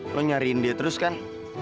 lo nyariin dia terus kan